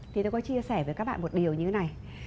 thì tôi có chia sẻ với các bạn một điều như thế này